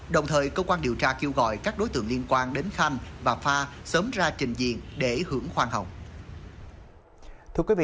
đồng thời cơ quan điều tra kêu gọi các đối tượng liên quan đến khanh và pha sớm ra trình diện để hưởng khoan hồng